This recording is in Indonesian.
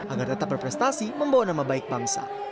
agar tetap berprestasi membawa nama baik bangsa